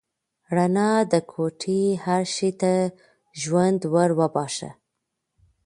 رڼا د کوټې هر شی ته ژوند ور وباښه.